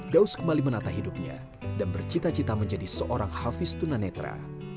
daud kembali menata hidupnya dan bercita cita menjadi seorang hafiz tuna netra